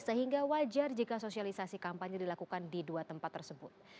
sehingga wajar jika sosialisasi kampanye dilakukan di dua tempat tersebut